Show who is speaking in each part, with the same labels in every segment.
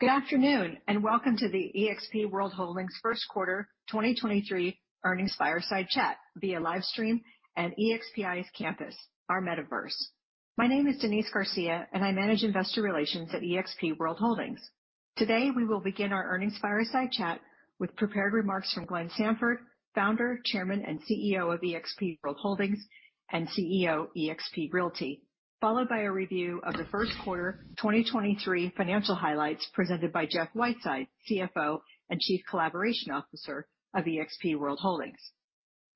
Speaker 1: Good afternoon, welcome to the eXp World Holdings first quarter 2023 earnings fireside chat via live stream and EXPI Campus, our metaverse. My name is Denise Garcia, I manage investor relations at eXp World Holdings. Today, we will begin our earnings fireside chat with prepared remarks from Glenn Sanford, Founder, Chairman, and CEO of eXp World Holdings and CEO eXp Realty, followed by a review of the first quarter 2023 financial highlights presented by Jeff Whiteside, CFO, and Chief Collaboration Officer of eXp World Holdings.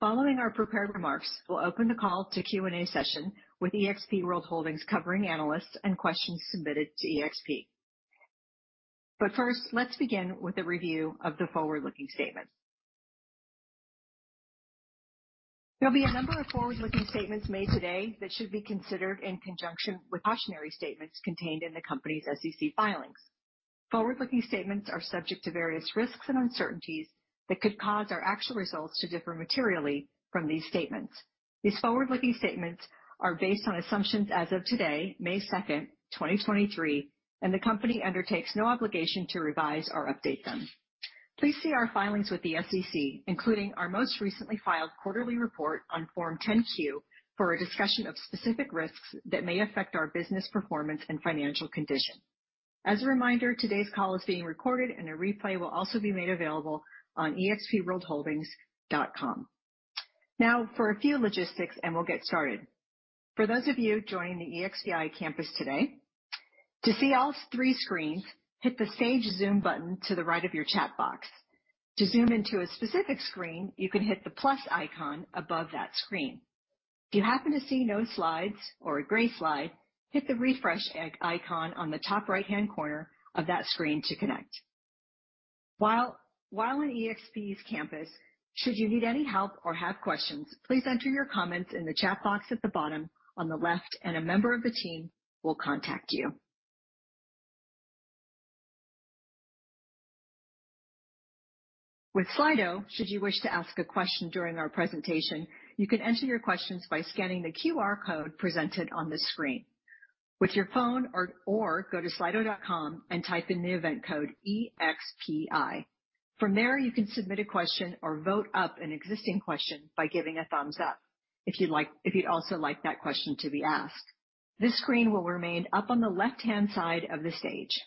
Speaker 1: Following our prepared remarks, we'll open the call to Q&A session with eXp World Holdings covering analysts and questions submitted to eXp. First, let's begin with a review of the forward-looking statements. There'll be a number of forward-looking statements made today that should be considered in conjunction with cautionary statements contained in the company's SEC filings. Forward-looking statements are subject to various risks and uncertainties that could cause our actual results to differ materially from these statements. These forward-looking statements are based on assumptions as of today, May 2nd, 2023, and the company undertakes no obligation to revise or update them. Please see our filings with the SEC, including our most recently filed quarterly report on Form 10-Q, for a discussion of specific risks that may affect our business performance and financial condition. As a reminder, today's call is being recorded and a replay will also be made available on expworldholdings.com. Now for a few logistics, and we'll get started. For those of you joining the EXPI Campus today, to see all three screens, hit the stage Zoom button to the right of your chat box. To zoom into a specific screen, you can hit the plus icon above that screen. If you happen to see no slides or a gray slide, hit the refresh, e.g., icon on the top right-hand corner of that screen to connect. While on eXp's campus, should you need any help or have questions, please enter your comments in the chat box at the bottom on the left and a member of the team will contact you. With Slido, should you wish to ask a question during our presentation, you can enter your questions by scanning the QR code presented on the screen. With your phone or go to slido.com and type in the event code EXPI. From there, you can submit a question or vote up an existing question by giving a thumbs up if you'd also like that question to be asked. This screen will remain up on the left-hand side of the stage.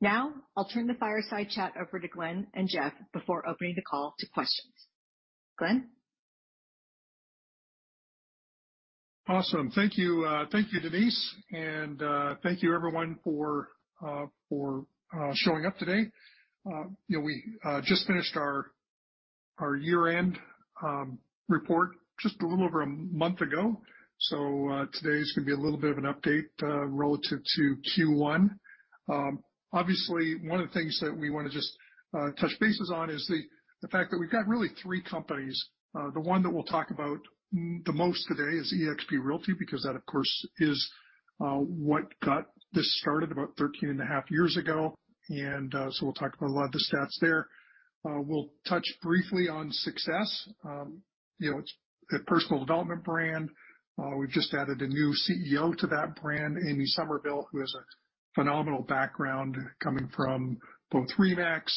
Speaker 1: Now, I'll turn the fireside chat over to Glenn and Jeff before opening the call to questions. Glenn.
Speaker 2: Awesome. Thank you. Thank you, Denise, thank you everyone for showing up today. You know, we just finished our year-end report just a little over a month ago, today's gonna be a little bit of an update relative to Q1. Obviously, one of the things that we wanna just touch bases on is the fact that we've got really three companies. The one that we'll talk about the most today is eXp Realty because that, of course, is what got this started about 13 and a half years ago. We'll talk about a lot of the stats there. We'll touch briefly on Success. You know, it's a personal development brand. We've just added a new CEO to that brand, Amy Somerville, who has a phenomenal background coming from both RE/MAX,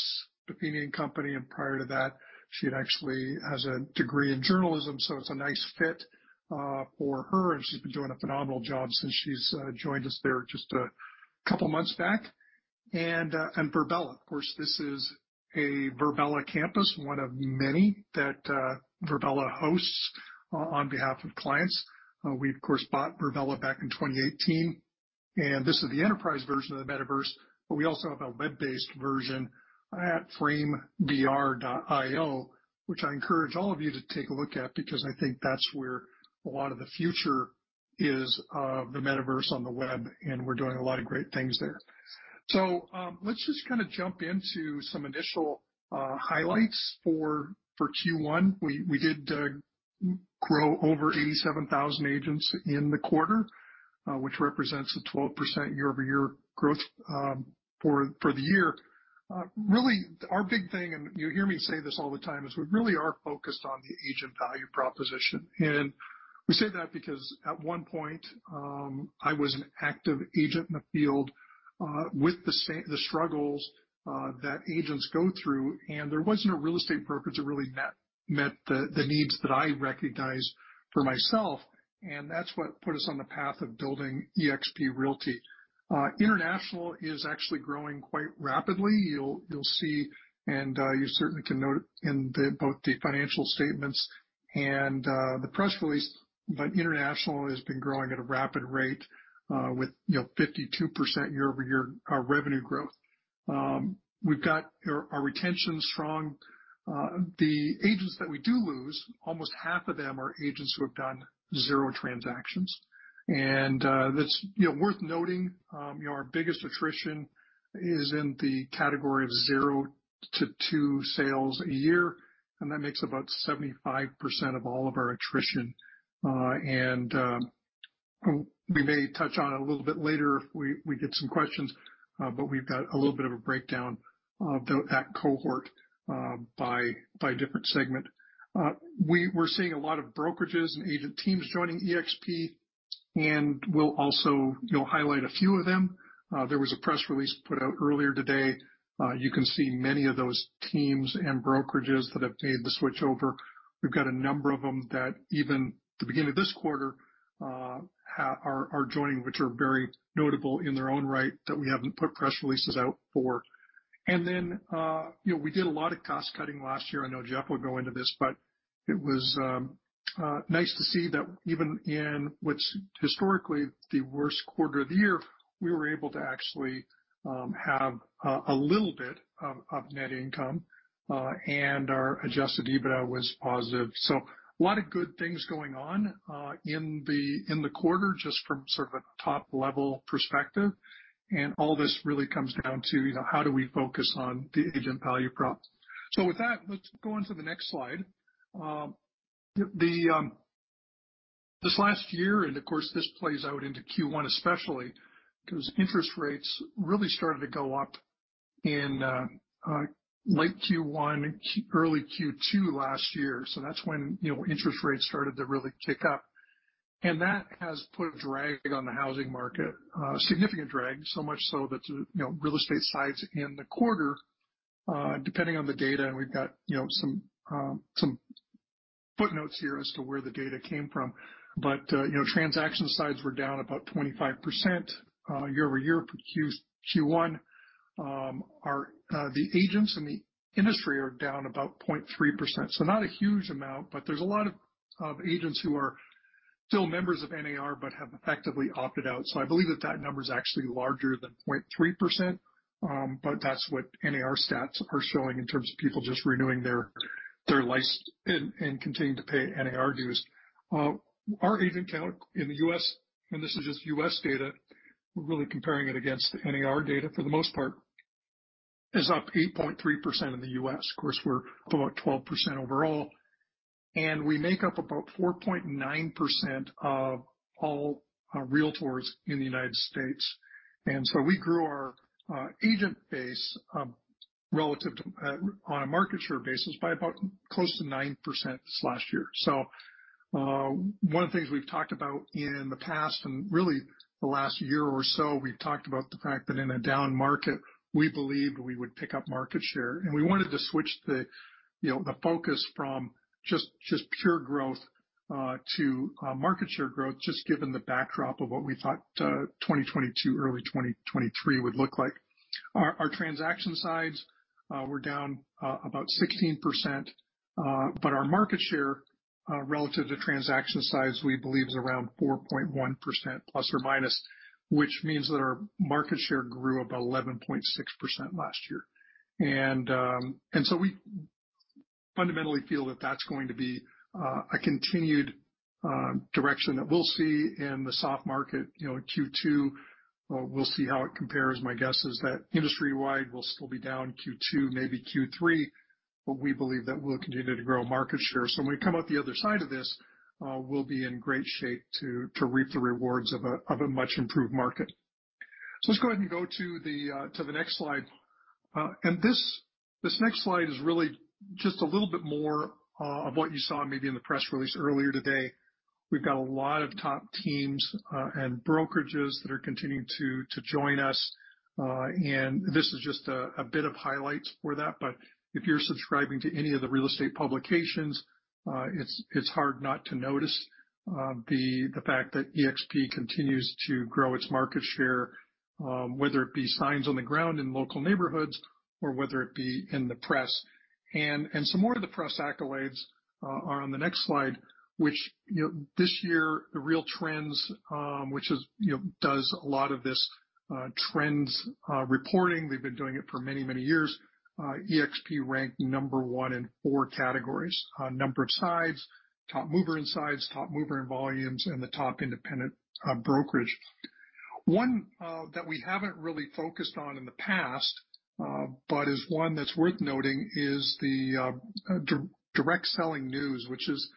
Speaker 2: Buffini & Company, and prior to that, she had actually has a degree in journalism, so it's a nice fit for her, and she's been doing a phenomenal job since she's joined us there just a couple months back. Virbela. Of course, this is a Virbela campus, one of many that Virbela hosts on behalf of clients. We, of course, bought Virbela back in 2018, and this is the enterprise version of the metaverse, but we also have a web-based version at framevr.io, which I encourage all of you to take a look at, because I think that's where a lot of the future is of the metaverse on the web, and we're doing a lot of great things there. Let's just kinda jump into some initial highlights for Q1. We did grow over 87,000 agents in the quarter, which represents a 12% year-over-year growth for the year. Really, our big thing, and you hear me say this all the time, is we really are focused on the agent value proposition. We say that because at one point, I was an active agent in the field, with the struggles that agents go through, and there wasn't a real estate brokerage that really met the needs that I recognized for myself, and that's what put us on the path of building eXp Realty. International is actually growing quite rapidly. You'll see, you certainly can note in the, both the financial statements and the press release, but international has been growing at a rapid rate, with, you know, 52% year-over-year revenue growth. We've got our retention strong. The agents that we do lose, almost half of them are agents who have done zero transactions. That's, you know, worth noting. You know, our biggest attrition is in the category of zero to two sales a year, and that makes about 75% of all of our attrition. We may touch on it a little bit later if we get some questions, but we've got a little bit of a breakdown of the, that cohort, by different segment. We're seeing a lot of brokerages and agent teams joining eXp. We'll also, you know, highlight a few of them. There was a press release put out earlier today. You can see many of those teams and brokerages that have made the switch over. We've got a number of them that even the beginning of this quarter are joining, which are very notable in their own right, that we haven't put press releases out for. You know, we did a lot of cost-cutting last year. I know Jeff will go into this, but it was nice to see that even in what's historically the worst quarter of the year, we were able to actually have a little bit of net income, and our adjusted EBITDA was positive. A lot of good things going on in the quarter, just from sort of a top-level perspective. All this really comes down to, you know, how do we focus on the agent value prop? With that, let's go on to the next slide. This last year, and of course, this plays out into Q1 especially, because interest rates really started to go up in late Q1, early Q2 last year. That's when, you know, interest rates started to really tick up. That has put a drag on the housing market, a significant drag, so much so that, you know, real estate sides in the quarter, depending on the data, and we've got, you know, some footnotes here as to where the data came from. you know, transaction sides were down about 25% year-over-year for Q1. Our agents in the industry are down about 0.3%. Not a huge amount, but there's a lot of agents who are still members of NAR but have effectively opted out. I believe that that number is actually larger than 0.3%. That's what NAR stats are showing in terms of people just renewing their and continuing to pay NAR dues. Our agent count in the U.S., and this is just U.S. data, we're really comparing it against the NAR data for the most part, is up 8.3% in the U.S. Of course, we're about 12% overall, and we make up about 4.9% of all realtors in the United States. We grew our agent base relative to on a market share basis by about close to 9% this last year. One of the things we've talked about in the past, and really the last year or so, we've talked about the fact that in a down market, we believed we would pick up market share, and we wanted to switch the, you know, the focus from just pure growth to market share growth, just given the backdrop of what we thought 2022, early 2023 would look like. Our transaction sides were down about 16%, but our market share relative to transaction size, we believe, is around 4.1% plus or minus, which means that our market share grew about 11.6% last year. We fundamentally feel that that's going to be a continued direction that we'll see in the soft market. You know, in Q2, we'll see how it compares. My guess is that industry-wide will still be down Q2, maybe Q3, we believe that we'll continue to grow market share. When we come out the other side of this, we'll be in great shape to reap the rewards of a much improved market. Let's go ahead and go to the next slide. This next slide is really just a little bit more of what you saw maybe in the press release earlier today. We've got a lot of top teams and brokerages that are continuing to join us. This is just a bit of highlights for that. If you're subscribing to any of the real estate publications, it's hard not to notice the fact that eXp continues to grow its market share, whether it be signs on the ground in local neighborhoods or whether it be in the press. Some more of the press accolades are on the next slide, which, you know, this year, the RealTrends, which is, you know, does a lot of this trends reporting. They've been doing it for many, many years. eXp ranked number one in four categories, number of sides, top mover in sides, top mover in volumes, and the top independent brokerage. One, that we haven't really focused on in the past, but is one that's worth noting is the Direct Selling News, which is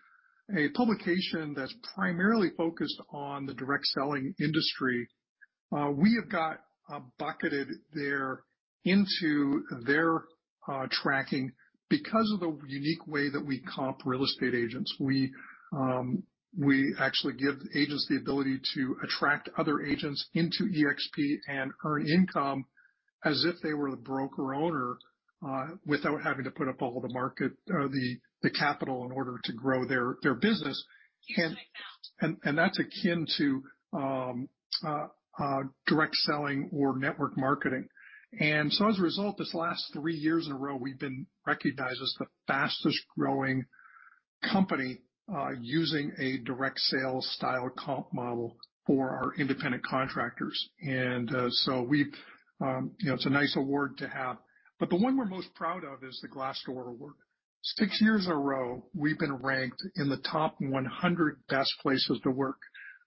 Speaker 2: a publication that's primarily focused on the direct selling industry. We have got bucketed into their tracking because of the unique way that we comp real estate agents. We actually give agents the ability to attract other agents into eXp and earn income as if they were the broker owner, without having to put up all the market, the capital in order to grow their business. And that's akin to direct selling or network marketing. As a result, this last three years in a row, we've been recognized as the fastest growing company, using a direct sales style comp model for our independent contractors. You know, it's a nice award to have. The one we're most proud of is the Glassdoor award. Six years in a row, we've been ranked in the top 100 best places to work.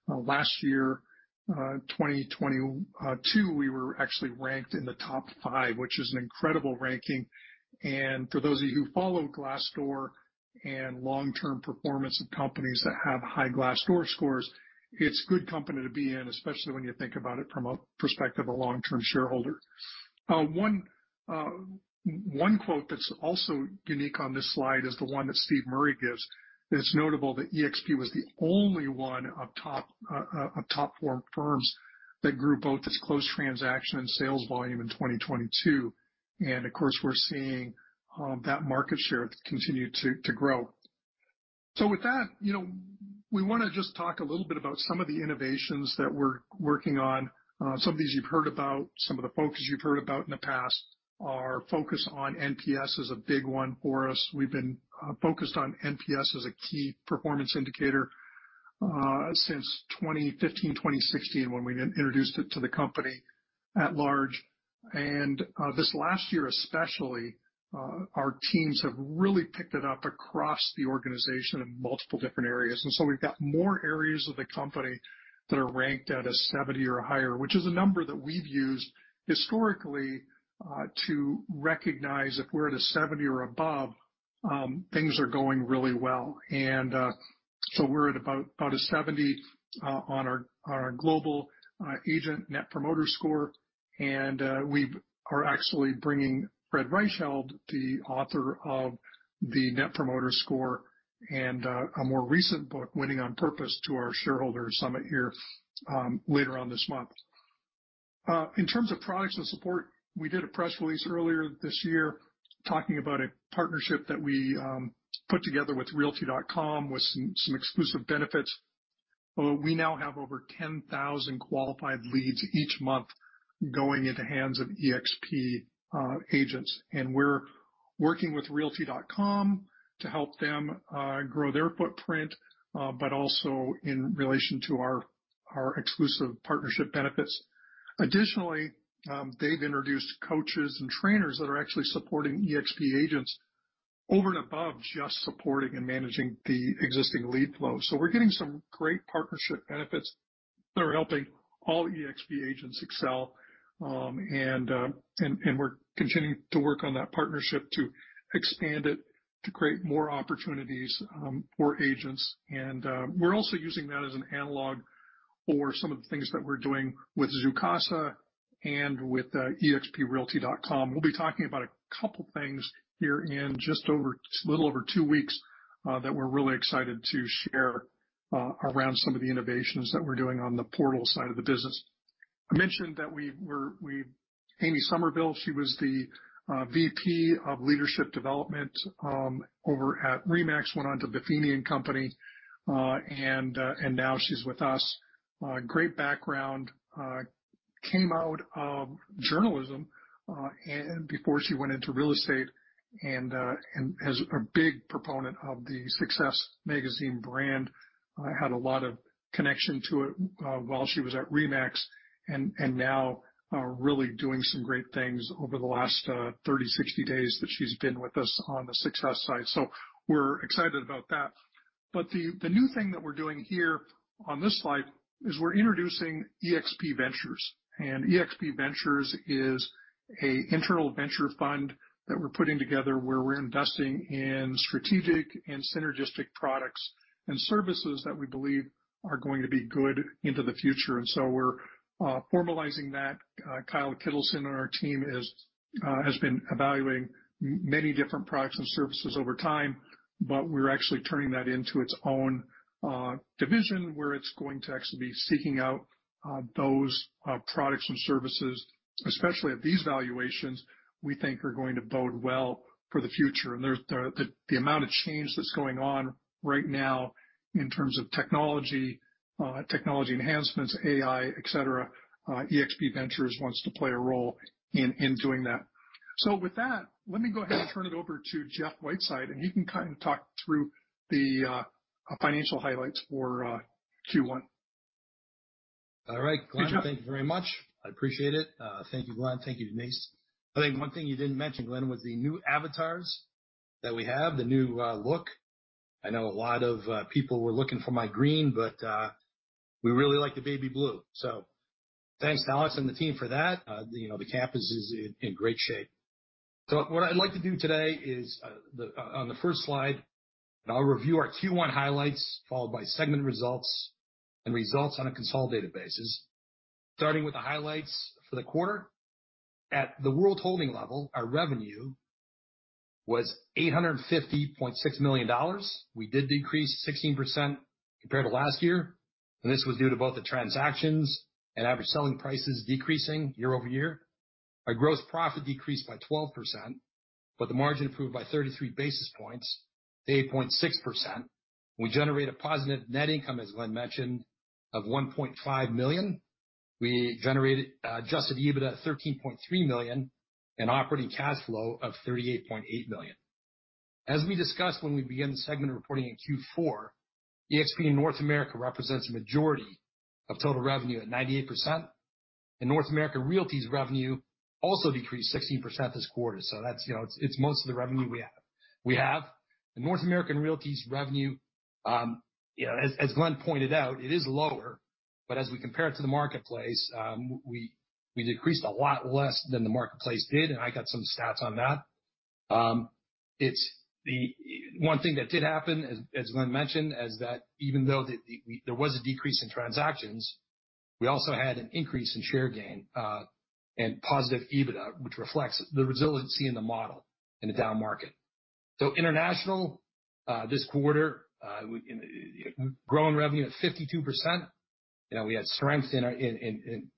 Speaker 2: Last year, 2022, we were actually ranked in the top 5, which is an incredible ranking. For those of you who follow Glassdoor and long-term performance of companies that have high Glassdoor scores, it's a good company to be in, especially when you think about it from a perspective of long-term shareholder. One quote that's also unique on this slide is the one that Steve Murray gives. It's notable that eXp was the only one of top firms that grew both its closed transaction and sales volume in 2022. Of course, we're seeing that market share continue to grow. With that, you know, we wanna just talk a little bit about some of the innovations that we're working on. Some of these you've heard about, some of the focus you've heard about in the past. Our focus on NPS is a big one for us. We've been focused on NPS as a key performance indicator since 2015, 2016 when we introduced it to the company at large. This last year especially, our teams have really picked it up across the organization in multiple different areas. We've got more areas of the company that are ranked at a 70 or higher, which is a number that we've used historically, to recognize if we're at a 70 or above, things are going really well. So we're at about a 70 on our global agent Net Promoter Score. We are actually bringing Fred Reichheld, the author of the Net Promoter Score, and a more recent book, Winning on Purpose, to our Shareholder Summit here later on this month. In terms of products and support, we did a press release earlier this year talking about a partnership that we put together with Realty.com with some exclusive benefits. We now have over 10,000 qualified leads each month going into hands of eXp agents. We're working with Realty.com to help them grow their footprint, but also in relation to our exclusive partnership benefits. Additionally, they've introduced coaches and trainers that are actually supporting eXp agents over and above just supporting and managing the existing lead flow. We're getting some great partnership benefits that are helping all eXp agents excel. We're continuing to work on that partnership to expand it to create more opportunities for agents. We're also using that as an analog for some of the things that we're doing with Zoocasa and with eXpRealty.com. We'll be talking about a couple things here in just over, little over two weeks that we're really excited to share around some of the innovations that we're doing on the portal side of the business. I mentioned that Amy Somerville, she was the VP of Leadership Development over at RE/MAX, went on to Buffini & Company, and now she's with us. Great background. Came out of journalism, and before she went into real estate, and is a big proponent of the SUCCESS magazine brand, had a lot of connection to it while she was at RE/MAX, and now really doing some great things over the last 30, 60 days that she's been with us on the SUCCESS side. We're excited about that. The new thing that we're doing here on this slide is we're introducing eXp Ventures. eXp Ventures is a internal venture fund that we're putting together where we're investing in strategic and synergistic products and services that we believe are going to be good into the future. We're formalizing that. Kyle Kittleson on our team is, has been evaluating many different products and services over time, but we're actually turning that into its own division, where it's going to actually be seeking out those products and services, especially at these valuations, we think are going to bode well for the future. The amount of change that's going on right now in terms of technology enhancements, AI, et cetera, eXp Ventures wants to play a role in doing that. With that, let me go ahead and turn it over to Jeff Whiteside, and he can kind of talk through the financial highlights for Q1.
Speaker 3: All right. Glenn, thank you very much. I appreciate it. Thank you, Glenn. Thank you to mi. I think one thing you didn't mention, Glenn, was the new avatars that we have, the new look. I know a lot of people were looking for my green, but we really like the baby blue. Thanks, Alex and the team, for that. You know, the campus is in great shape. What I'd like to do today is on the first slide, and I'll review our Q1 highlights, followed by segment results and results on a consolidated basis. Starting with the highlights for the quarter. At the world holding level, our revenue was $850.6 million. We did decrease 16% compared to last year, this was due to both the transactions and average selling prices decreasing year-over-year. Our gross profit decreased by 12%, the margin improved by 33 basis points to 8.6%. We generated a positive net income, as Glenn mentioned, of $1.5 million. We generated adjusted EBITDA of $13.3 million and operating cash flow of $38.8 million. As we discussed when we began the segment reporting in Q4, eXp in North America represents a majority of total revenue at 98%, North America Realty's revenue also decreased 16% this quarter. That's, you know, it's most of the revenue we have. We have the North American Realty's revenue, you know, as Glenn pointed out, it is lower. As we compare it to the marketplace, we decreased a lot less than the marketplace did. I got some stats on that. One thing that did happen, as Glenn mentioned, is that even though there was a decrease in transactions, we also had an increase in share gain and positive EBITDA, which reflects the resiliency in the model in a down market. International this quarter, we grown revenue at 52%. You know, we had strength in our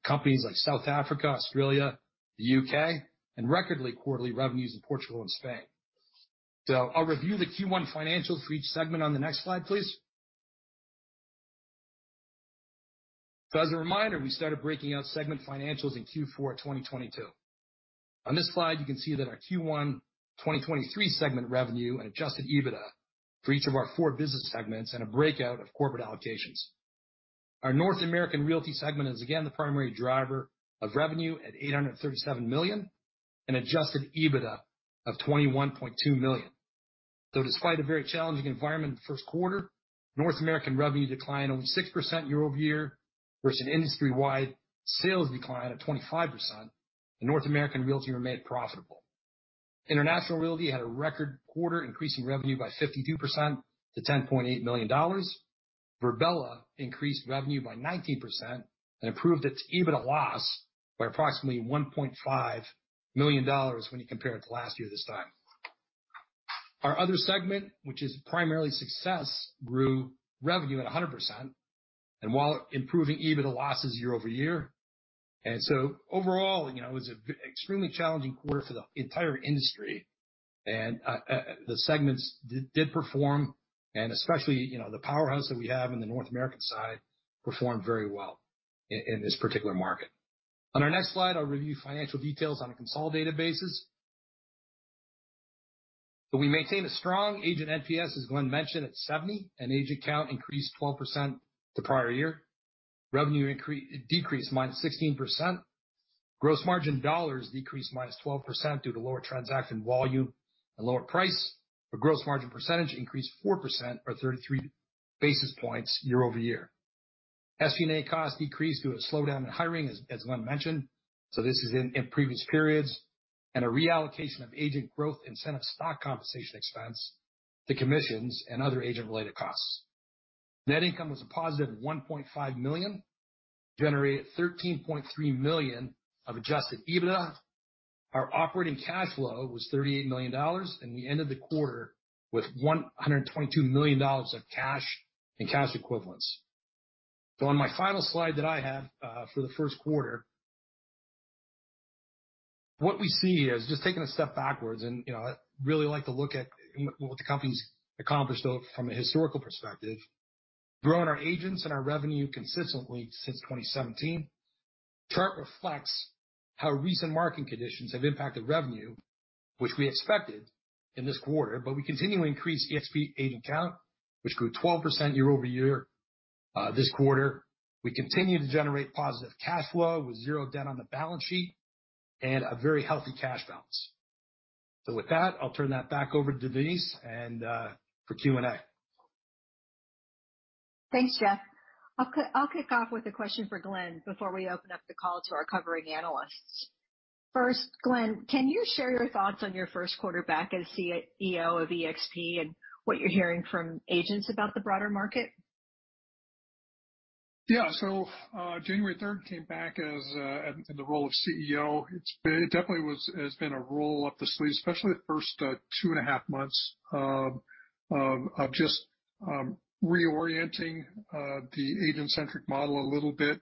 Speaker 3: companies like South Africa, Australia, the U.K., recordly quarterly revenues in Portugal and Spain. I'll review the Q1 financials for each segment on the next slide, please. As a reminder, we started breaking out segment financials in Q4 of 2022. On this slide, you can see that our Q1 2023 segment revenue and adjusted EBITDA for each of our four business segments and a breakout of corporate allocations. Our North American Realty segment is again the primary driver of revenue at $837 million and adjusted EBITDA of $21.2 million. Despite a very challenging environment in the first quarter, North American revenue declined over 6% year-over-year versus an industry-wide sales decline of 25%, and North American Realty remained profitable. International Realty had a record quarter, increasing revenue by 52% to $10.8 million. Virbela increased revenue by 19% and improved its EBITDA loss by approximately $1.5 million when you compare it to last year this time. Our other segment, which is primarily SUCCESS, grew revenue at 100%. While improving EBITDA losses year-over-year. Overall, you know, it was a extremely challenging quarter for the entire industry, and the segments did perform, and especially, you know, the powerhouse that we have in the North American side performed very well in this particular market. On our next slide, I'll review financial details on a consolidated basis. We maintain a strong agent NPS, as Glenn mentioned, at 70, and agent count increased 12% the prior year. Revenue decreased -16%. Gross margin dollars decreased -12% due to lower transaction volume and lower price. Our gross margin percentage increased 4% or 33 basis points year-over-year. SG&A costs decreased due to a slowdown in hiring, as Glenn mentioned, this is in previous periods, and a reallocation of agent growth incentive stock compensation expense to commissions and other agent-related costs. Net income was a positive $1.5 million, generated $13.3 million of adjusted EBITDA. Our operating cash flow was $38 million, and we ended the quarter with $122 million of cash and cash equivalents. On my final slide that I have for the first quarter, what we see is just taking a step backwards and, you know, I really like to look at what the company's accomplished though from a historical perspective, growing our agents and our revenue consistently since 2017. Chart reflects how recent market conditions have impacted revenue, which we expected in this quarter. We continue to increase eXp agent count, which grew 12% year-over-year, this quarter. We continue to generate positive cash flow with zero debt on the balance sheet and a very healthy cash balance. With that, I'll turn that back over to Denise and for Q&A.
Speaker 1: Thanks, Jeff. I'll kick off with a question for Glenn before we open up the call to our covering analysts. Glenn, can you share your thoughts on your first quarter back as CEO of eXp and what you're hearing from agents about the broader market?
Speaker 2: January third came back as in the role of CEO. It definitely has been a roll up the sleeve, especially the first two and a half months of just reorienting the agent-centric model a little bit.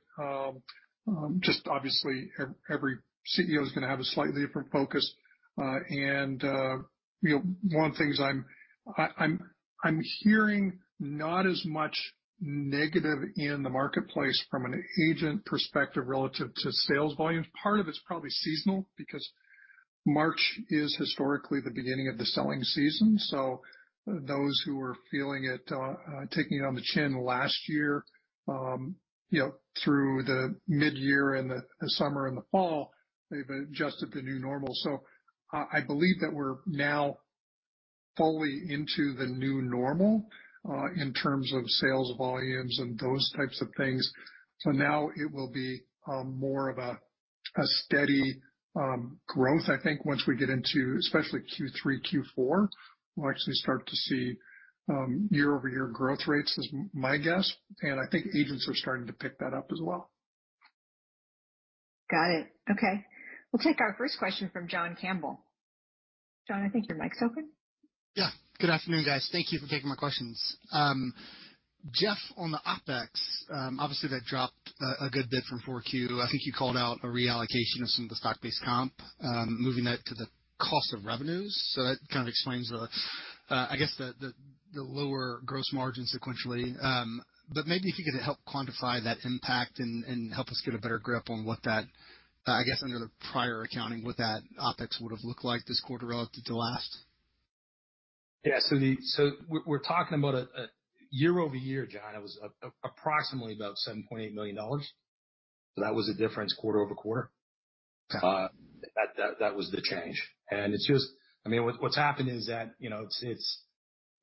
Speaker 2: Just obviously every CEO is gonna have a slightly different focus. You know, one of the things I'm hearing not as much negative in the marketplace from an agent perspective relative to sales volumes. Part of it's probably seasonal because March is historically the beginning of the selling season. Those who are feeling it, taking it on the chin last year, you know, through the midyear and the summer and the fall, they've adjusted to the new normal. I believe that we're now fully into the new normal, in terms of sales volumes and those types of things. Now it will be more of a steady growth. I think once we get into especially Q3, Q4, we'll actually start to see year-over-year growth rates is my guess, and I think agents are starting to pick that up as well.
Speaker 1: Got it. Okay. We'll take our first question from John Campbell. John, I think your mic's open.
Speaker 4: Yeah. Good afternoon, guys. Thank you for taking my questions. Jeff, on the OpEx, obviously, that dropped a good bit from 4Q. I think you called out a reallocation of some of the stock-based comp, moving that to the cost of revenues. That kind of explains the, I guess the lower gross margin sequentially. Maybe if you could help quantify that impact and help us get a better grip on what that, I guess under the prior accounting, what that OpEx would have looked like this quarter relative to last?
Speaker 2: Yeah. We're talking about a year-over-year, John. It was approximately about $7.8 million. That was a difference quarter-over-quarter.
Speaker 3: Got it.
Speaker 2: That was the change. It's just, I mean, what's happened is that, you know, it's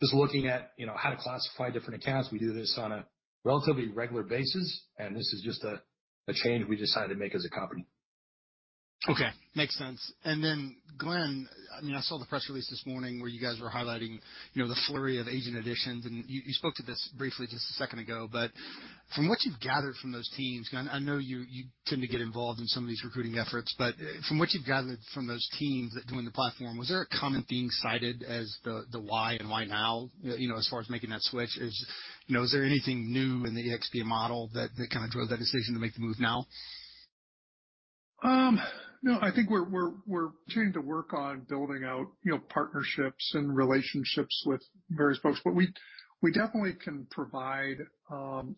Speaker 2: just looking at, you know, how to classify different accounts. We do this on a relatively regular basis, and this is just a change we decided to make as a company.
Speaker 3: Okay. Makes sense. Then, Glenn, I mean, I saw the press release this morning where you guys were highlighting, you know, the flurry of agent additions, and you spoke to this briefly just a second ago. From what you've gathered from those teams, I know you tend to get involved in some of these recruiting efforts, but from what you've gathered from those teams that joined the platform, was there a common theme cited as the why and why now, you know, as far as making that switch? Is, you know, is there anything new in the eXp model that kind of drove that decision to make the move now?
Speaker 2: No, I think we're continuing to work on building out, you know, partnerships and relationships with various folks. We definitely can provide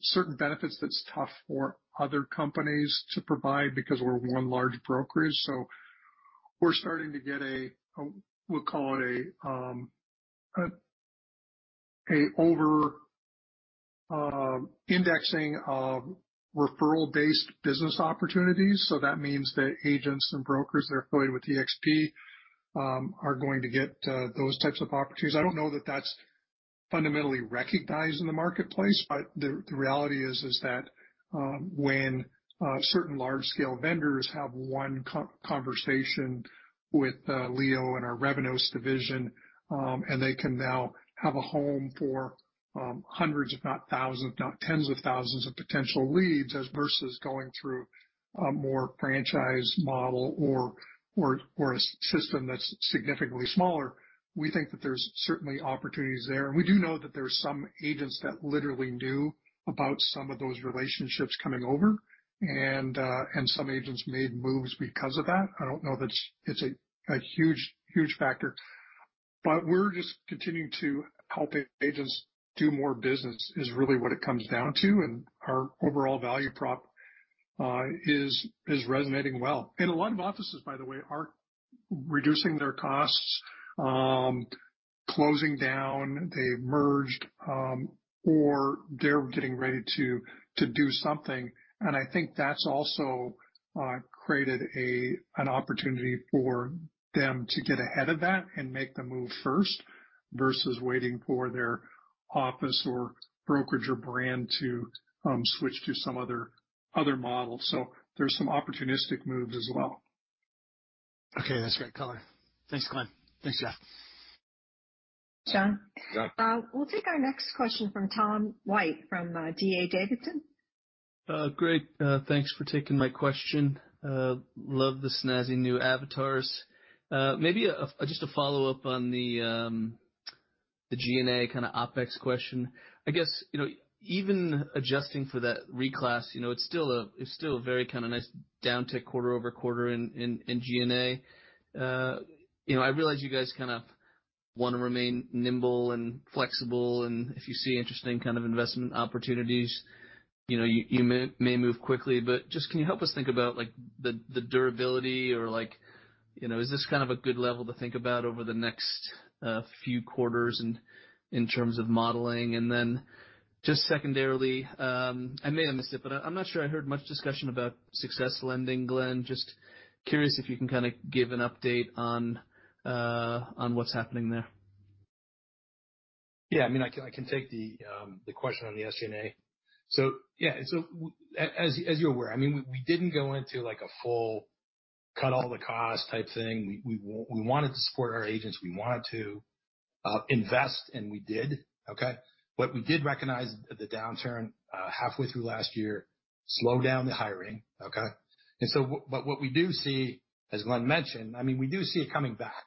Speaker 2: certain benefits that's tough for other companies to provide because we're one large brokerage. We're starting to get a, we'll call it an over indexing, referral-based business opportunities. That means that agents and brokers that are affiliated with eXp are going to get those types of opportunities. I don't know that that's fundamentally recognized in the marketplace, but the reality is that when certain large scale vendors have one conversation with Leo and our Revenos division, and they can now have a home for hundreds, if not thousands, if not tens of thousands of potential leads as versus going through a more franchise model or a system that's significantly smaller, we think that there's certainly opportunities there. We do know that there are some agents that literally knew about some of those relationships coming over and some agents made moves because of that. I don't know that it's a huge, huge factor, but we're just continuing to help agents do more business is really what it comes down to. Our overall value prop is resonating well. A lot of offices, by the way, are reducing their costs, closing down, they've merged, or they're getting ready to do something. I think that's also created an opportunity for them to get ahead of that and make the move first versus waiting for their office or brokerage or brand to switch to some other model. There's some opportunistic moves as well.
Speaker 4: Okay, that's great color. Thanks, Glenn. Thanks, Jeff.
Speaker 1: John?
Speaker 3: Yeah.
Speaker 1: We'll take our next question from Tom White from D.A. Davidson.
Speaker 5: Great. Thanks for taking my question. Love the snazzy new avatars. Maybe just a follow-up on the G&A kind of OpEx question. I guess, you know, even adjusting for that reclass, you know, it's still a very kinda nice downtick quarter-over-quarter in G&A. You know, I realize you guys kind of wanna remain nimble and flexible, and if you see interesting kind of investment opportunities, you know, you may move quickly, but just can you help us think about like the durability or like, you know, is this kind of a good level to think about over the next few quarters in terms of modeling? Just secondarily, I may have missed it, but I'm not sure I heard much discussion about SUCCESS Lending, Glenn. Just curious if you can kinda give an update on what's happening there.
Speaker 3: Yeah. I mean, I can take the question on the SG&A. Yeah, as you're aware, I mean, we didn't go into like a full cut all the costs type thing. We wanted to support our agents. We wanted to invest, and we did. Okay. We did recognize the downturn, halfway through last year, slowed down the hiring. Okay. What we do see, as Glenn mentioned, I mean, we do see it coming back.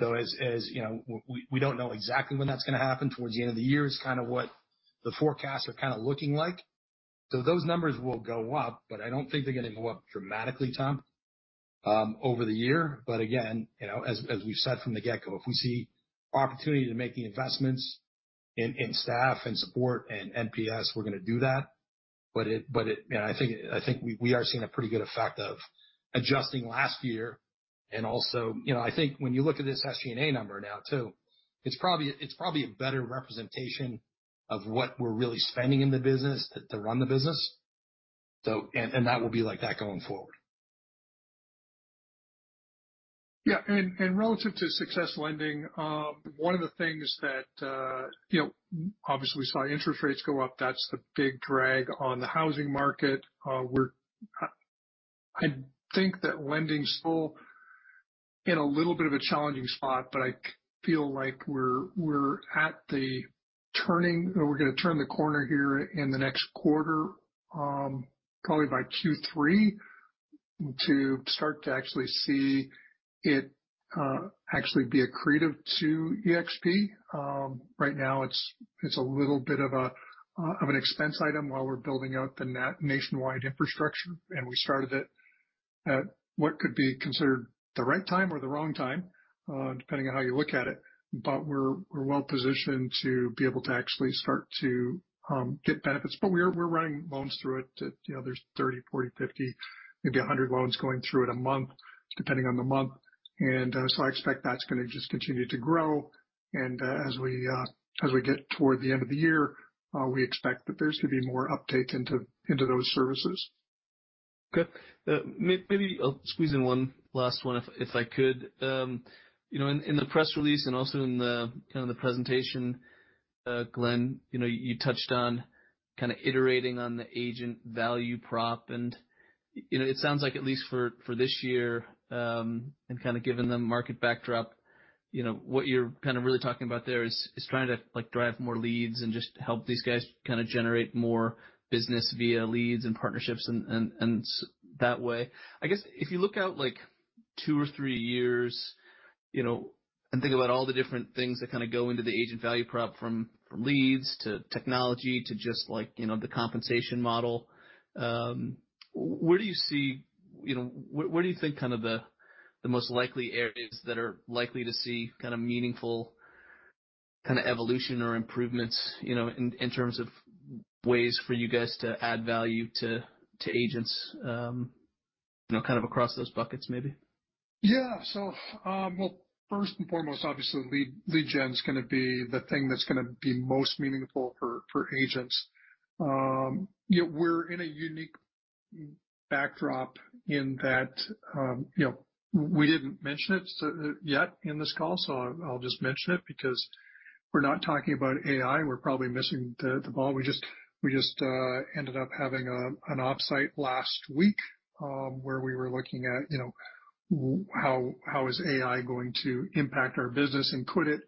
Speaker 3: As, as you know, we don't know exactly when that's gonna happen, towards the end of the year is kind of what the forecasts are kinda looking like. Those numbers will go up, but I don't think they're gonna go up dramatically, Tom, over the year. Again, you know, as we've said from the get-go, if we see opportunity to make the investments in staff and support and NPS, we're gonna do that. It, you know, I think we are seeing a pretty good effect of adjusting last year. You know, I think when you look at this SG&A number now too, it's probably a better representation of what we're really spending in the business to run the business. And that will be like that going forward.
Speaker 2: Yeah. Relative to SUCCESS Lending, one of the things that, you know, obviously we saw interest rates go up. That's the big drag on the housing market. I think that lending's still in a little bit of a challenging spot, but I feel like we're at the turning or we're gonna turn the corner here in the next quarter, probably by Q3, to start to actually see it, actually be accretive to eXp. Right now it's a little bit of an expense item while we're building out the nationwide infrastructure, and we started it at what could be considered the right time or the wrong time, depending on how you look at it. We're, we're well positioned to be able to actually start to get benefits. We're running loans through it at, you know, there's 30, 40, 50, maybe 100 loans going through it a month, depending on the month. I expect that's gonna just continue to grow. As we get toward the end of the year, we expect that there's to be more uptake into those services.
Speaker 5: Okay. maybe I'll squeeze in one last one if I could. You know, in the press release and also in the, kinda the presentation, Glenn, you know, you touched on kinda iterating on the agent value prop. You know, it sounds like at least for this year, and kinda given the market backdrop, you know, what you're kinda really talking about there is trying to like drive more leads and just help these guys kinda generate more business via leads and partnerships in that way. I guess if you look out like 2 or 3 years, you know, and think about all the different things that kinda go into the agent value prop from leads to technology to just like, you know, the compensation model. Where do you see, you know... Where do you think kind of the most likely areas that are likely to see kind of meaningful kind of evolution or improvements, you know, in terms of ways for you guys to add value to agents, you know, kind of across those buckets maybe?
Speaker 2: Yeah. Well, first and foremost, obviously lead gen's gonna be the thing that's gonna be most meaningful for agents. You know, we're in a unique backdrop in that, you know, we didn't mention it yet in this call, so I'll just mention it because we're not talking about AI, we're probably missing the ball. We just ended up having an offsite last week, where we were looking at, you know, how is AI going to impact our business, and could it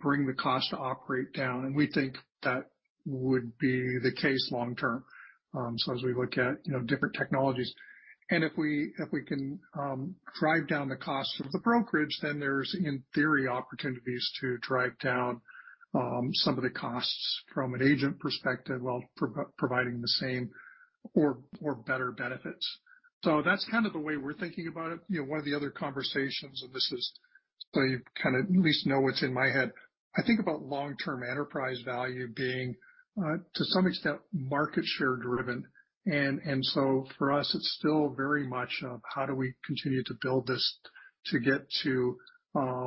Speaker 2: bring the cost to operate down? We think that would be the case long term. As we look at, you know, different technologies. If we can drive down the cost of the brokerage, then there's, in theory, opportunities to drive down some of the costs from an agent perspective while providing the same or better benefits. That's kind of the way we're thinking about it. You know, one of the other conversations, and this is so you kind of at least know what's in my head. I think about long-term enterprise value being to some extent, market share driven. For us, it's still very much of how do we continue to build this to get to a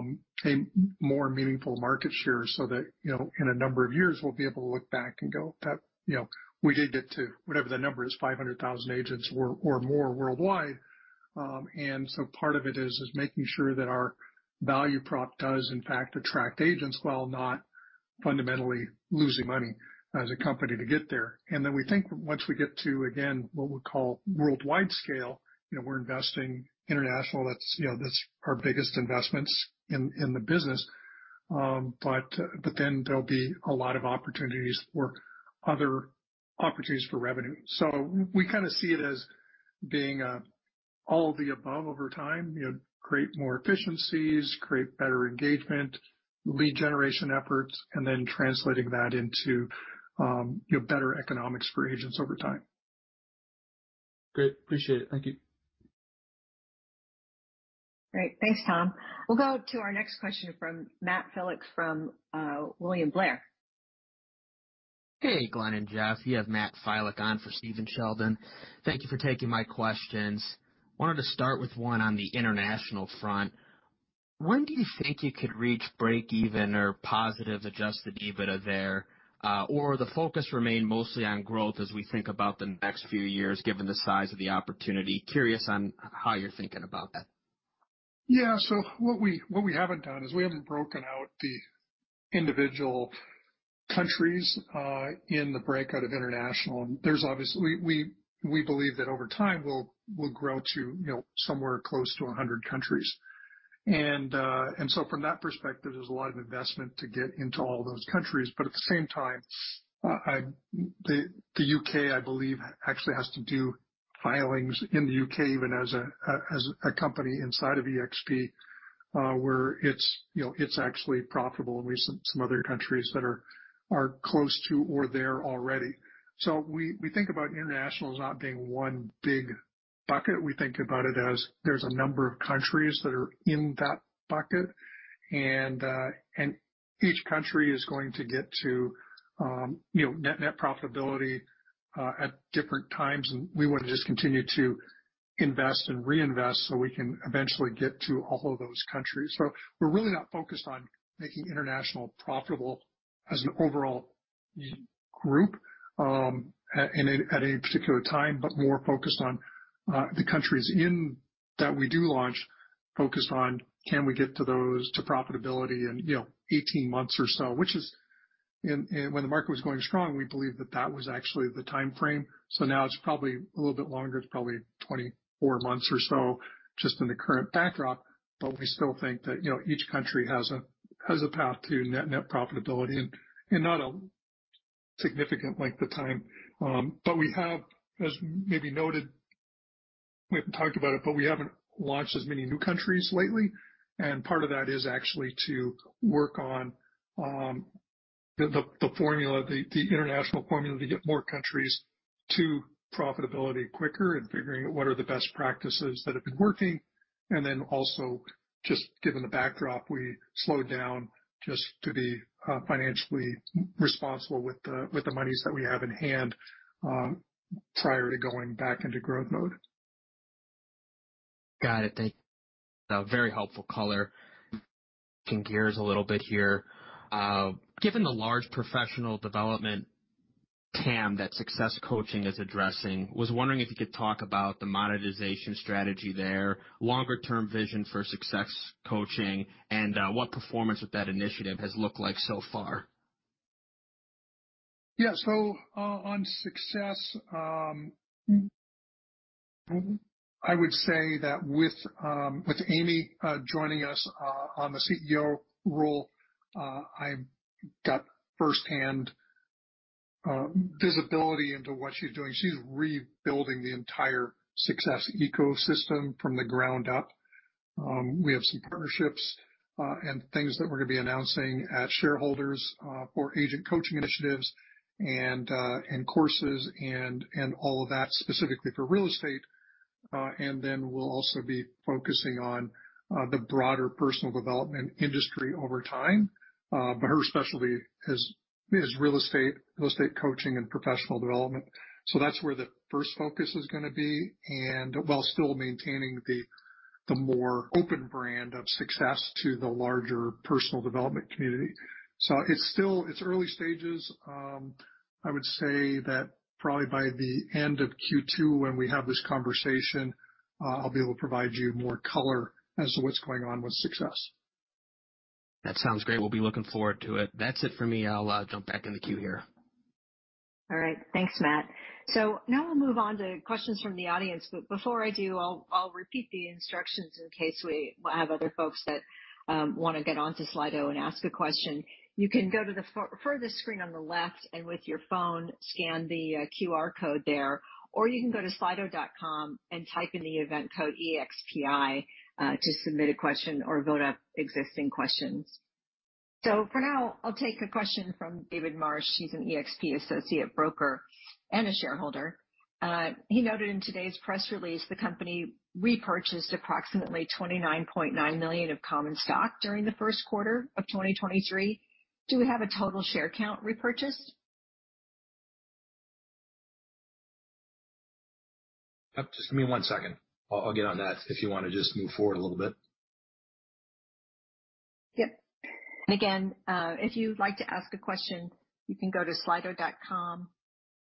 Speaker 2: more meaningful market share so that, you know, in a number of years, we'll be able to look back and go that, you know, we did get to whatever the number is, 500,000 agents or more worldwide. Part of it is making sure that our value prop does in fact attract agents while not fundamentally losing money as a company to get there. We think once we get to, again, what we call worldwide scale, you know, we're investing international. That's, you know, that's our biggest investments in the business. Then there'll be a lot of opportunities for other opportunities for revenue. We kinda see it as being all of the above over time, you know, create more efficiencies, create better engagement, lead generation efforts, and then translating that into, you know, better economics for agents over time.
Speaker 5: Great. Appreciate it. Thank you.
Speaker 1: Great. Thanks, Tom. We'll go to our next question from Matt Filek from William Blair.
Speaker 6: Hey, Glenn and Jeff, you have Matt Filek on for Stephen Sheldon. Thank you for taking my questions. Wanted to start with one on the international front. When do you think you could reach break even or positive adjusted EBITDA there? Or the focus remain mostly on growth as we think about the next few years, given the size of the opportunity. Curious on how you're thinking about that.
Speaker 2: What we haven't done is we haven't broken out the individual countries in the breakout of international. There's obviously. We believe that over time, we'll grow to, you know, somewhere close to 100 countries. From that perspective, there's a lot of investment to get into all those countries. At the same time, the U.K., I believe, actually has to do filings in the U.K., even as a company inside of eXp, where it's, you know, it's actually profitable. We've some other countries that are close to or there already. We think about international as not being one big bucket. We think about it as there's a number of countries that are in that bucket. Each country is going to get to, you know, net net profitability at different times, and we wanna just continue to invest and reinvest, so we can eventually get to all of those countries. We're really not focused on making international profitable as an overall group, and at a particular time, but more focused on the countries in that we do launch, focused on can we get to those to profitability in, you know, 18 months or so, which is in. When the market was going strong, we believed that that was actually the timeframe. Now it's probably a little bit longer. It's probably 24 months or so just in the current backdrop. We still think that, you know, each country has a path to net net profitability in not a significant length of time. We have, as maybe noted, we haven't talked about it, but we haven't launched as many new countries lately, and part of that is actually to work on the international formula to get more countries to profitability quicker and figuring what are the best practices that have been working. Then also just given the backdrop, we slowed down just to be financially responsible with the monies that we have in hand, prior to going back into growth mode.
Speaker 6: Got it. Thank you. A very helpful color. Can gears a little bit here. Given the large professional development TAM that SUCCESS Coaching is addressing, was wondering if you could talk about the monetization strategy there, longer term vision for SUCCESS Coaching, and what performance with that initiative has looked like so far.
Speaker 2: On SUCCESS, I would say that with Amy joining us on the CEO role, I got firsthand visibility into what she's doing. She's rebuilding the entire SUCCESS ecosystem from the ground up. We have some partnerships and things that we're gonna be announcing at shareholders for agent coaching initiatives and courses and all of that specifically for real estate. We'll also be focusing on the broader personal development industry over time. Her specialty is real estate, real estate coaching and professional development. That's where the first focus is gonna be, and while still maintaining the more open brand of SUCCESS to the larger personal development community. It's still, it's early stages. I would say that probably by the end of Q2, when we have this conversation, I'll be able to provide you more color as to what's going on with SUCCESS.
Speaker 6: That sounds great. We'll be looking forward to it. That's it for me. I'll jump back in the queue here.
Speaker 1: All right. Thanks, Matt. Now we'll move on to questions from the audience, but before I do, I'll repeat the instructions in case we have other folks that wanna get on to Slido and ask a question. You can go to the furthest screen on the left, and with your phone, scan the QR code there. Or you can go to slido.com and type in the event code EXPI to submit a question or vote up existing questions. For now, I'll take a question from David Marsh. He's an eXp associate broker and a shareholder. He noted in today's press release, the company repurchased approximately $29.9 million of common stock during the 1st quarter of 2023. Do we have a total share count repurchased?
Speaker 3: Just give me one second. I'll get on that, if you wanna just move forward a little bit.
Speaker 1: Yep. Again, if you'd like to ask a question, you can go to slido.com,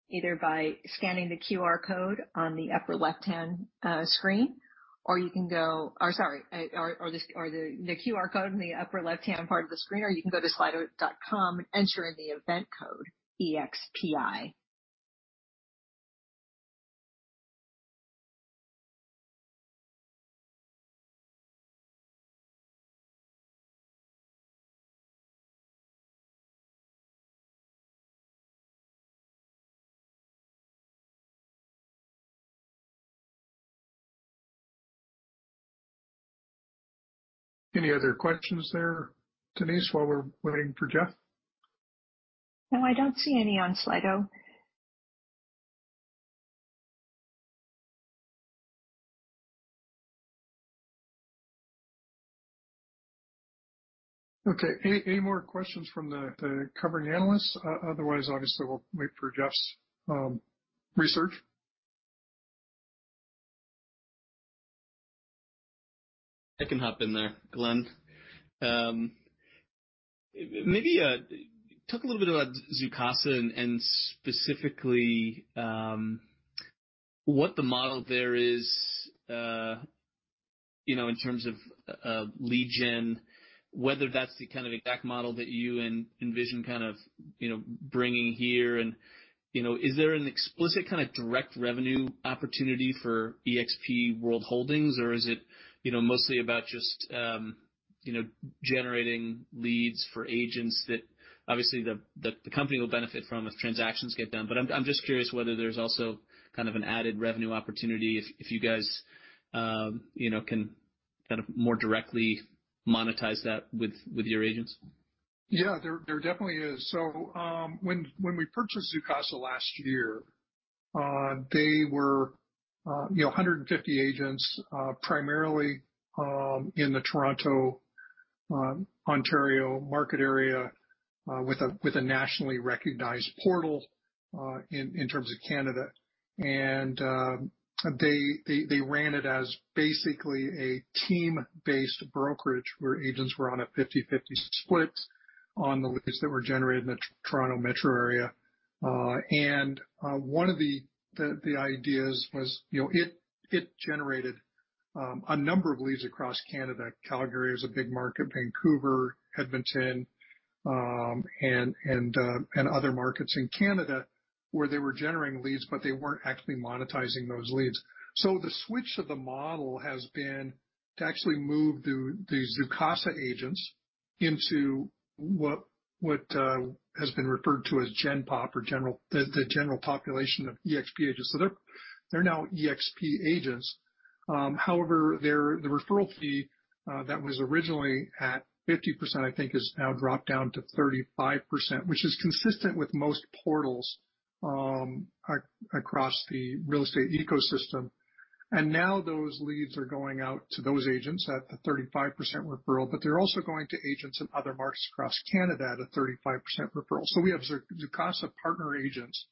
Speaker 1: either by scanning the QR code on the upper left-hand screen, or sorry, or the QR code in the upper left-hand part of the screen, or you can go to slido.com and enter in the event code, EXPI.
Speaker 2: Any other questions there, Denise, while we're waiting for Jeff?
Speaker 1: No, I don't see any on Slido.
Speaker 2: Okay. Any more questions from the covering analysts? Otherwise, obviously, we'll wait for Jeff's research.
Speaker 5: I can hop in there, Glenn. Maybe talk a little bit about Zoocasa and specifically, what the model there is, you know, in terms of, lead gen, whether that's the kind of exact model that you envision kind of, you know, bringing here and, you know, is there an explicit kinda direct revenue opportunity for eXp World Holdings or is it, you know, mostly about just, you know, generating leads for agents that obviously the company will benefit from if transactions get done. I'm just curious whether there's also kind of an added revenue opportunity if you guys, you know, can kind of more directly monetize that with your agents.
Speaker 2: Yeah, there definitely is. When we purchased Zoocasa last year, they were, you know, 150 agents, primarily in the Toronto, Ontario market area, with a nationally recognized portal in terms of Canada. They ran it as basically a team-based brokerage where agents were on a 50/50 split on the leads that were generated in the Toronto metro area. One of the ideas was, you know, it generated a number of leads across Canada. Calgary is a big market. Vancouver, Edmonton, and other markets in Canada where they were generating leads, but they weren't actually monetizing those leads. The switch of the model has been to actually move the Zoocasa agents into what has been referred to as gen pop or the general population of eXp agents. They're now eXp agents. However, the referral fee, that was originally at 50%, I think, is now dropped down to 35%, which is consistent with most portals across the real estate ecosystem. Now those leads are going out to those agents at the 35% referral, but they're also going to agents in other markets across Canada at a 35% referral. We have Zoocasa partner agents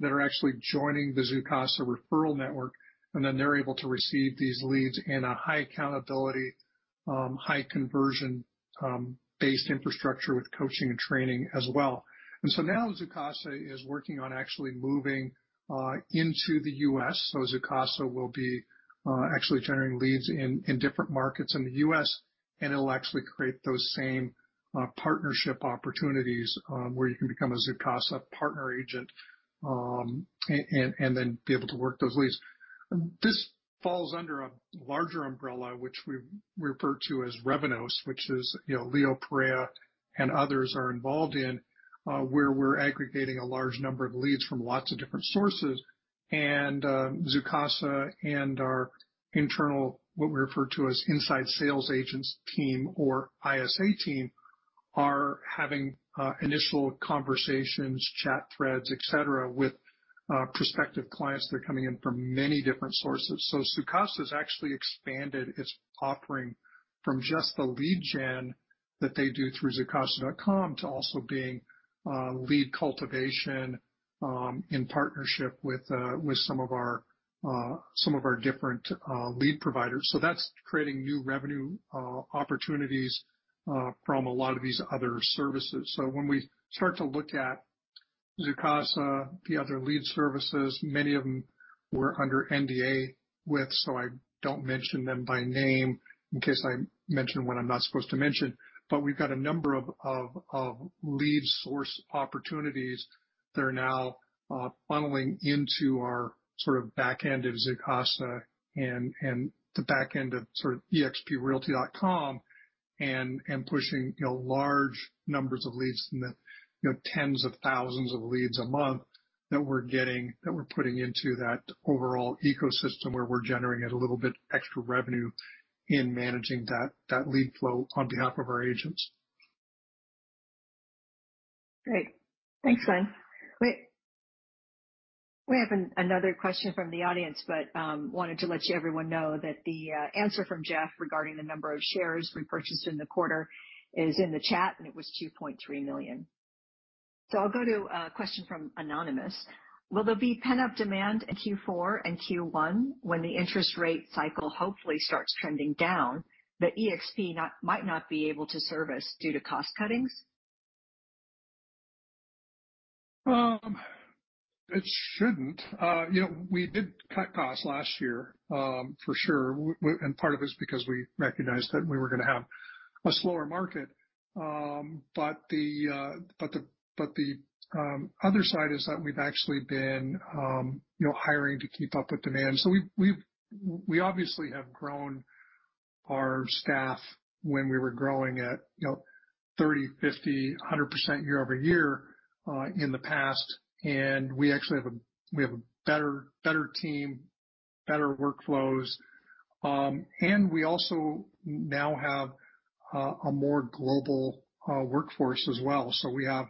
Speaker 2: that are actually joining the Zoocasa referral network, then they're able to receive these leads in a high accountability, high conversion, based infrastructure with coaching and training as well. now Zoocasa is working on actually moving into the US. Zoocasa will be actually generating leads in different markets in the US, and it'll actually create those same partnership opportunities where you can become a Zoocasa partner agent. Be able to work those leads. This falls under a larger umbrella, which we refer to as Revenos, which is, you know, Leo Pareja and others are involved in where we're aggregating a large number of leads from lots of different sources. Zoocasa and our internal, what we refer to as inside sales agents team or ISA team, are having initial conversations, chat threads, et cetera, with prospective clients that are coming in from many different sources. Zoocasa has actually expanded its offering from just the lead gen that they do through zoocasa.com to also being lead cultivation in partnership with some of our some of our different lead providers. That's creating new revenue opportunities from a lot of these other services. When we start to look at Zoocasa, the other lead services, many of them we're under NDA with, so I don't mention them by name in case I mention one I'm not supposed to mention. We've got a number of lead source opportunities that are now funneling into our sort of back end of Zoocasa and the back end of sort of eXp Realty.com and pushing, you know, large numbers of leads in the, you know, tens of thousands of leads a month that we're getting, that we're putting into that overall ecosystem where we're generating a little bit extra revenue in managing that lead flow on behalf of our agents.
Speaker 1: Great. Thanks, Glenn. We have another question from the audience, wanted to let everyone know that the answer from Jeff regarding the number of shares repurchased in the quarter is in the chat, it was $2.3 million. I'll go to a question from anonymous. Will there be pent-up demand in Q4 and Q1 when the interest rate cycle hopefully starts trending down, that eXp might not be able to service due to cost cuttings?
Speaker 2: It shouldn't. You know, we did cut costs last year, for sure. Part of it's because we recognized that we were gonna have a slower market. The other side is that we've actually been, you know, hiring to keep up with demand. We obviously have grown our staff when we were growing at, you know, 30%, 50%, 100% year-over-year in the past. We actually have a better team, better workflows. We also now have a more global workforce as well. We have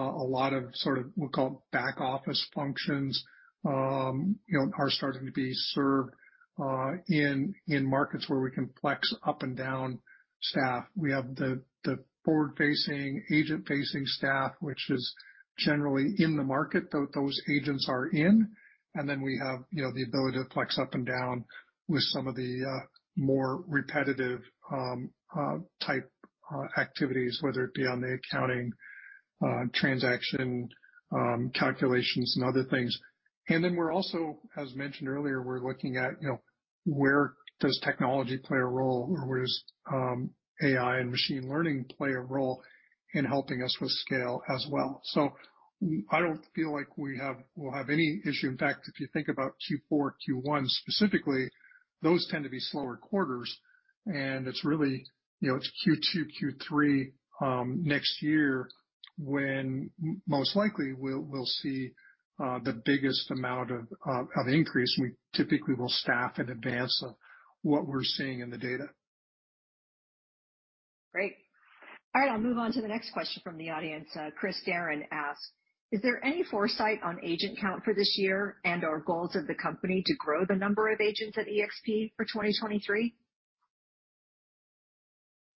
Speaker 2: a lot of sort of we'll call back office functions, you know, are starting to be served in markets where we can flex up and down staff. We have the forward-facing, agent-facing staff, which is generally in the market that those agents are in. Then we have, you know, the ability to flex up and down with some of the more repetitive type activities, whether it be on the accounting, transaction, calculations and other things. Then we're also, as mentioned earlier, we're looking at, you know, where does technology play a role or where does AI and machine learning play a role in helping us with scale as well. I don't feel like we'll have any issue. In fact, if you think about Q4, Q1 specifically, those tend to be slower quarters. It's really, you know, it's Q2, Q3 next year when most likely we'll see the biggest amount of increase. We typically will staff in advance of what we're seeing in the data.
Speaker 1: Great. All right, I'll move on to the next question from the audience. Chris Darren asked, "Is there any foresight on agent count for this year and/or goals of the company to grow the number of agents at eXp for 2023?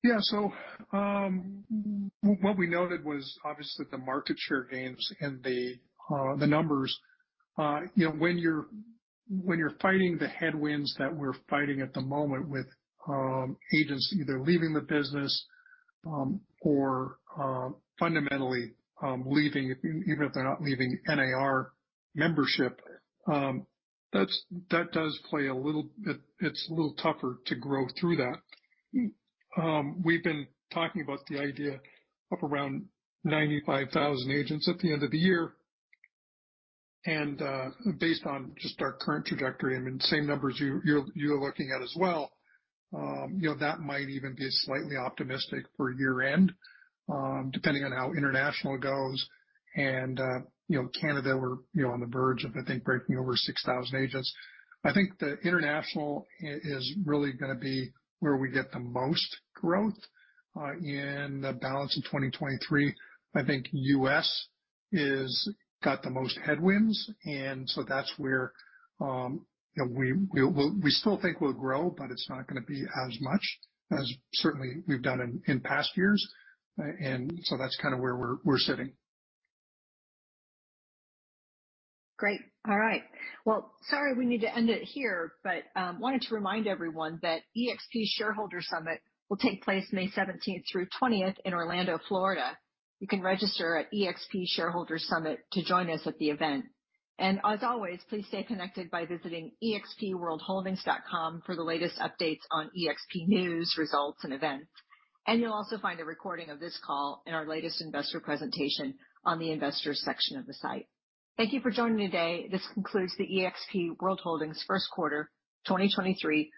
Speaker 2: What we noted was obviously the market share gains and the numbers. You know, when you're, when you're fighting the headwinds that we're fighting at the moment with agents either leaving the business or fundamentally leaving, even if they're not leaving NAR membership, that's, that does play a little bit. It's a little tougher to grow through that. We've been talking about the idea of around 95,000 agents at the end of the year. Based on just our current trajectory, I mean, same numbers you, you're looking at as well, you know, that might even be slightly optimistic for year-end, depending on how international goes. You know, Canada, we're, you know, on the verge of, I think, breaking over 6,000 agents. I think the international is really gonna be where we get the most growth, in the balance of 2023. I think U.S. is got the most headwinds, that's where, you know, we still think we'll grow, but it's not gonna be as much as certainly we've done in past years. That's kinda where we're sitting.
Speaker 1: Great. All right. Well, sorry, we need to end it here, wanted to remind everyone that eXp Shareholder Summit will take place May 17th through 20th in Orlando, Florida. You can register at eXp Shareholder Summit to join us at the event. As always, please stay connected by visiting expworldholdings.com for the latest updates on eXp news, results, and events. You'll also find a recording of this call in our latest investor presentation on the Investors section of the site. Thank you for joining me today. This concludes the eXp World Holdings first quarter 2023